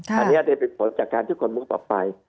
อันนี้ได้เป็นผลจากการที่คนมุกออกไป